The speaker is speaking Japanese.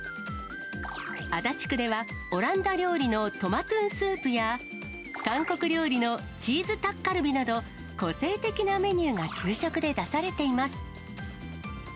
足立区では、オランダ料理のトマトゥンスープや、韓国料理のチーズタッカルビなど、個性的なメニューが給食で出されています。